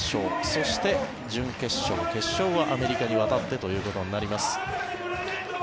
そして、準決勝、決勝はアメリカに渡ってということになります。